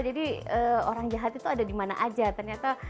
jadi orang jahat itu ada dimana aja ternyata